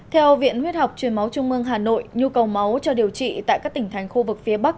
theo viện huyết học truyền máu trung ương hà nội nhu cầu máu cho điều trị tại các tỉnh thành khu vực phía bắc